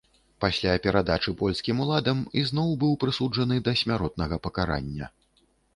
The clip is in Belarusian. Пасля перадачы польскім уладам ізноў быў прысуджаны да смяротнага пакарання.